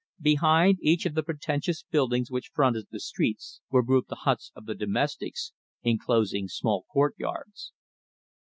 Behind each of the pretentious buildings which fronted the streets were grouped the huts of the domestics, inclosing small courtyards.